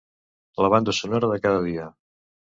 La banda sonora de cada dia.